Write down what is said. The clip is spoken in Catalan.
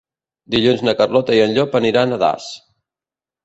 Dilluns na Carlota i en Llop aniran a Das.